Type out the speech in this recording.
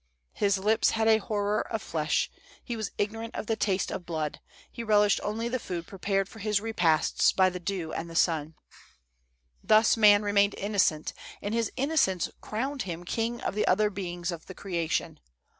His lips had a horror of flesh ; he was ignorant of the taste of 284 THE soldiers' DREAMS. blood, be relished only the food prepared for his repasts by the dew and the sun. "Thus man remained innocent, and his innocence crowned him king of the other beings of the creation.